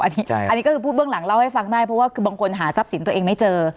อันนี้ก็คือพูดเบื้องหลังเล่าให้ฟังได้เพราะว่าคือบางคนหาทรัพย์สินตัวเองไม่เจอ